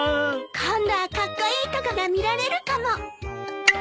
今度はカッコイイとこが見られるかも。